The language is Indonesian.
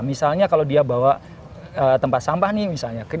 misalnya kalau dia bawa tempat sampah nih misalnya